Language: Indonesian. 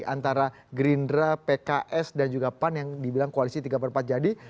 antara gerindra pks dan juga pan yang dibilang koalisi tiga per empat jadi